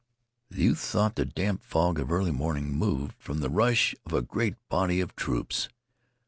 The youth thought the damp fog of early morning moved from the rush of a great body of troops.